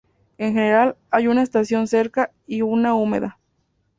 En general, hay una estación seca y una húmeda.